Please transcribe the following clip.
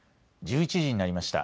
１１時になりました。